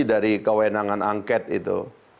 dari kewenangan angket itu